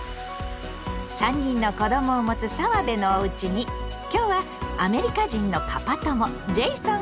３人の子どもを持つ澤部のおうちに今日はアメリカ人のパパ友ジェイソンが来てるわよ！